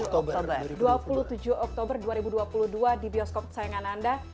oke jadi kita akan tunggu film kodrat tanggal dua puluh tujuh oktober dua ribu dua puluh dua di bioskop indonesia